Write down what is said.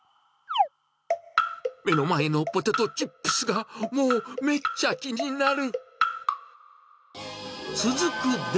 目の前のポテトチップスが、もう、めっちゃ気になる。